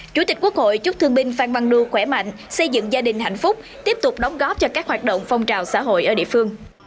chủ tịch quốc hội chúc thương binh phan văn đu khỏe mạnh xây dựng gia đình hạnh phúc tiếp tục đóng góp cho các hoạt động phong trào xã hội ở địa phương